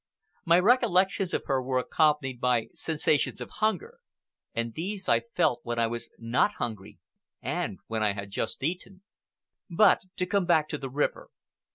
My recollections of her were accompanied by sensations of hunger, and these I felt when I was not hungry and when I had just eaten. But to come back to the river.